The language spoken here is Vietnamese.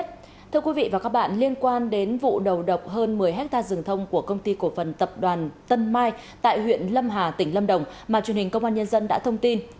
thưa quý vị và các bạn liên quan đến vụ đầu độc hơn một mươi hectare rừng thông của công ty cổ phần tập đoàn tân mai tại huyện lâm hà tỉnh lâm đồng mà truyền hình công an nhân dân đã thông tin